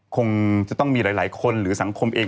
คงจะต้องมีหลายคนหรือสังคมเอง